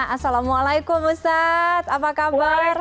assalamualaikum ustadz apa kabar